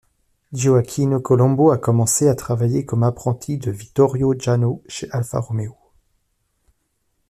Gioacchino Colombo a commencé à travailler comme apprenti de Vittorio Jano chez Alfa Romeo.